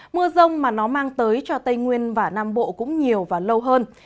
mưa rông mà nó mang tới cho tây nguyên và nam bộ cũng nhiều và lâu hơn